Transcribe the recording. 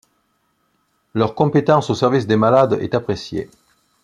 Leur compétence au service des malades est appréciée.